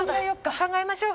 考えましょう。